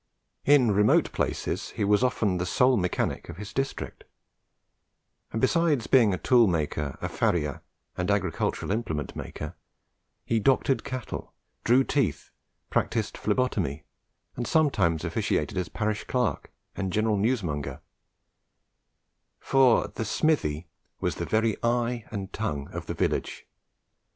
In remote places he was often the sole mechanic of his district; and, besides being a tool maker, a farrier, and agricultural implement maker, he doctored cattle, drew teeth, practised phlebotomy, and sometimes officiated as parish clerk and general newsmonger; for the smithy was the very eye and tongue of the village.